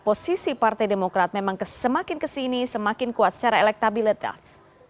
posisi partai demokrat memang semakin kesini semakin kuat secara elektabilitas